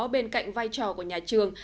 bên cạnh vai trò của nhà trường